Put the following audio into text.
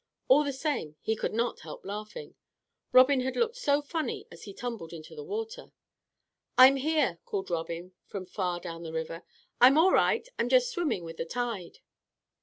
All the same he could not help laughing. Robin had looked so funny as he tumbled into the water. "I'm here," called Robin, from far down the river. "I'm all right. I'm just swimming with the tide."